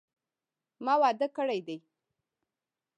ما واده کړی دي